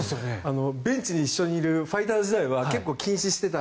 ベンチに一緒にいるファイターズ時代は結構、禁止していた。